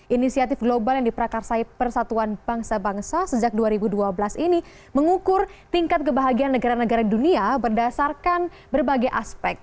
inisiatif global yang diprakarsai persatuan bangsa bangsa sejak dua ribu dua belas ini mengukur tingkat kebahagiaan negara negara dunia berdasarkan berbagai aspek